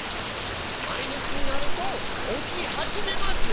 マイナスになると落ち始めますよ。